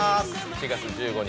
７月１５日